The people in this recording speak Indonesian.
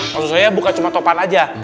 maksud saya bukan cuma topan aja